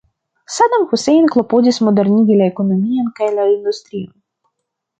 Saddam Hussein klopodis modernigi la ekonomion kaj la industrion.